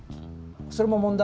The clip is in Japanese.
それも問題？